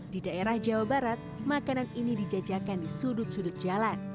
di daerah jawa barat makanan ini dijajakan di sudut sudut jalan